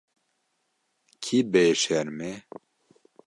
Kî bêşerm e?